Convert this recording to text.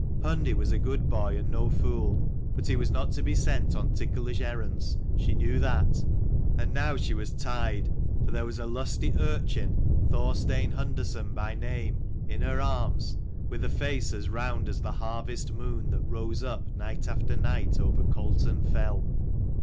Hundi was a good boy and no fool, but he was not to be sent on ticklish errands, she knew that. And now she was tied, for there was a lusty urchin, Thorstein Hundason by name, in her arms, with a face as round as the harvest moon that rose up night after night over Colton fell.